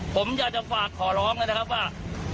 ผมอยากจะฝากขอร้องเลยนะครับว่า